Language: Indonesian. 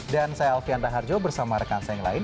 saya alfian raharjo bersama rekan saya yang lain